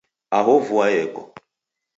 Aho vua yeko